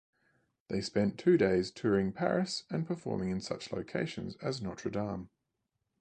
They spent two days touring Paris and performing in such locations as Notre Dame.